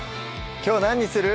きょう何にする？